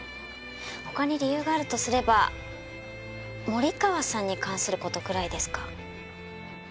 他に理由があるとすれば森川さんに関する事くらいですか？